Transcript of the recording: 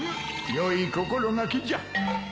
良い心掛けじゃ。